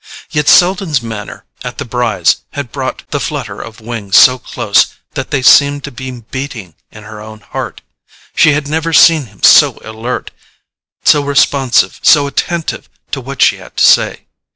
Yet Selden's manner at the Brys' had brought the flutter of wings so close that they seemed to be beating in her own heart. She had never seen him so alert, so responsive, so attentive to what she had to say.